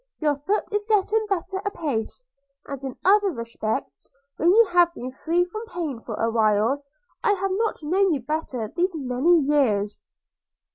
Your foot is getting better apace; and in other respects, when you have been free from pain for a while, I have not known you better these many years.'